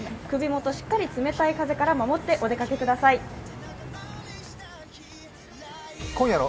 首元しっかり冷たい風から守ってお出かけください。